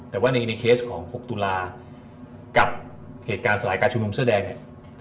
แต่ว่าในเคสของ๖ตุลากับเหตุการณ์สลายการชุมนุมเสื้อแดงเนี่ย